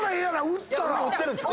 売ってるんです。